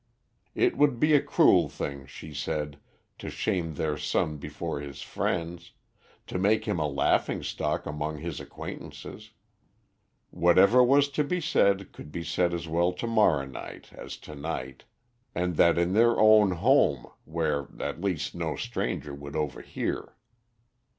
It would be a cruel thing, she said, to shame their son before his friends, to make him a laughing stock among his acquaintances. Whatever was to be said could be said as well to morrow night as to night, and that in their own home, where, at least, no stranger would overhear.